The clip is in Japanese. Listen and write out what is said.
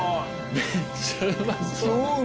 めっちゃうまそう。